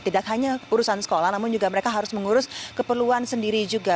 tidak hanya urusan sekolah namun juga mereka harus mengurus keperluan sendiri juga